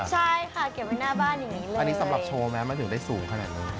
ใช่ค่ะเก็บไว้หน้าบ้านอย่างนี้เลยอันนี้สำหรับโชว์ไหมมันถึงได้สูงขนาดนั้น